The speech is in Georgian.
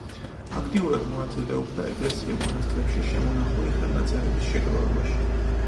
აქტიურად მონაწილეობდა ეკლესია-მონასტრებში შემონახული ხელნაწერების შეგროვებაში.